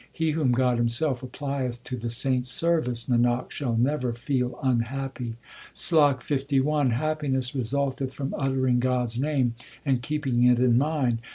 He whom God Himself applieth to the saint s service, Nanak, shall never feel unhappy. SLOK LI Happiness resulteth from uttering God s name and keeping it in mind.